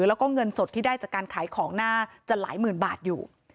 แล้วก็เงินสดที่ได้จากการขายของน่าจะหลายหมื่นบาทอยู่